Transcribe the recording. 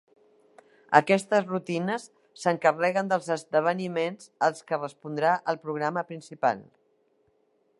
Aquestes rutines s'encarreguen dels esdeveniments als que respondrà el programa principal.